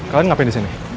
kalian ngapain di sini